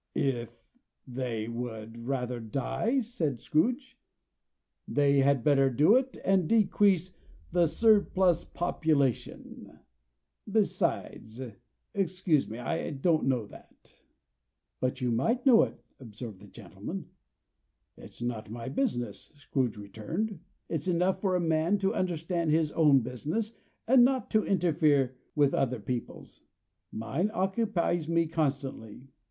"If they would rather die," said Scrooge, "they had better do it, and decrease the surplus population. Besides excuse me I don't know that." "But you might know it," observed the gentleman. "It's not my business," Scrooge returned. "It's enough for a man to understand his own business, and not to interfere with other people's. Mine occupies me constantly.